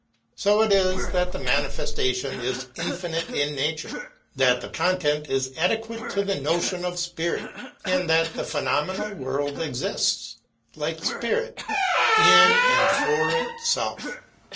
So it is that the manifestation is infinite in nature, that the content is adequate to the Notion of spirit, and that the phenomenal world exists, like spirit, in and for itself.